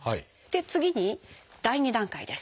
次に第２段階です。